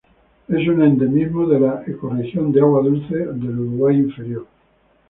Es un endemismo de la Ecorregión de agua dulce Uruguay inferior.